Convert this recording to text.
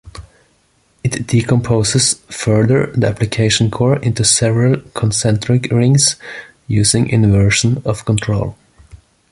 It decomposes further the application core into several concentric rings using inversion of control.